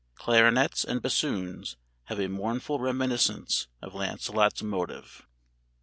Clarinets and bassoons have a mournful reminiscence of Lancelot's motive.